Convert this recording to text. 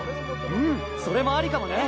うんそれもありかもね。